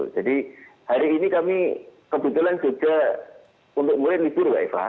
hari ini kami kebetulan jogja untuk mulai libur mbak eva